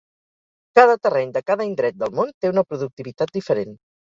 Cada terreny de cada indret del món té una productivitat diferent.